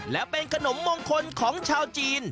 และเป็นขนมมงคลของชาวจีน